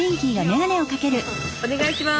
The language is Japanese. お願いします。